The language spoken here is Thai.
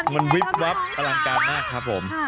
มันวิบวับอลังการมากครับผม